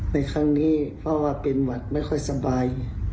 ในครั้งนี้เพราะว่าเป็นหวัดไม่ค่อยสบาย